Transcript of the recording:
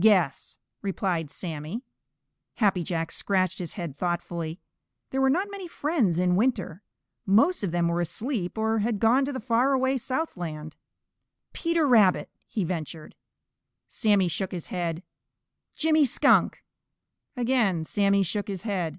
"Guess," replied Sammy. Happy Jack scratched his head thoughtfully. There were not many friends in winter. Most of them were asleep or had gone to the far away southland. "Peter Rabbit," he ventured. Sammy shook his head. "Jimmy Skunk!" Again Sammy shook his head.